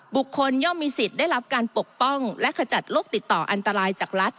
ย่อมมีสิทธิ์ได้รับการปกป้องและขจัดโรคติดต่ออันตรายจากรัฐ